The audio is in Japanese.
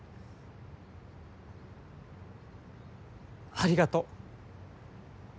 ありがとう。